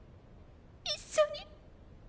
一緒に。